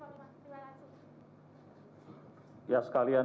baik baik saya tekan lebih kebijakan